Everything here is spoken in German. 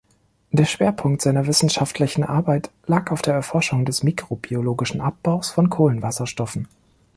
Der Schwerpunkt seiner wissenschaftlichen Arbeit lag auf der Erforschung des mikrobiologischen Abbaus von Kohlenwasserstoffen.